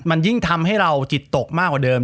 มันยิ่งทำให้เราจิตตกมากกว่าเดิม